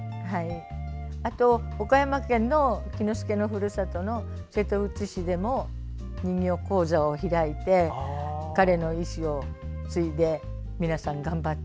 あと、岡山県の喜之助のふるさとの瀬戸内市でも、人形講座を開いて彼の意思を継いで皆さん頑張って。